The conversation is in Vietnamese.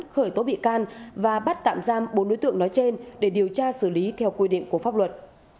khởi tố bị can và bắt tạm giam bốn đối tượng nói trên để điều tra xử lý theo quy định của pháp luật